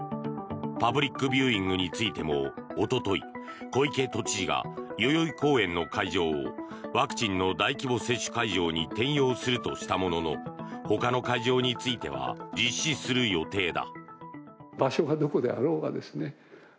パブリックビューイングについてもおととい、小池都知事が代々木公園の会場をワクチンの大規模接種会場に転用するとしたもののほかの会場については実施する予定だ。